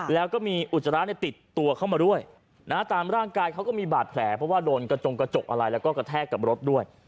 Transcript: แล้วก็มีอุจจาระติดตัวเข้ามาด้วยนะฮะตามร่างกายเขาก็มีบาดแผลเพราะว่าโดนกระจงกระจกอะไรแล้วก็กระแทกกับรถด้วย